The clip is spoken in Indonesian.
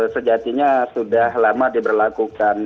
sejatinya sudah lama diberlakukan